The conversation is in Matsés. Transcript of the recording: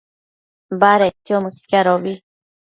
badedquio mëquiadobi